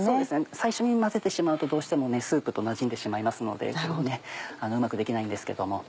最初に混ぜてしまうとどうしてもスープとなじんでしまいますのでうまくできないんですけども。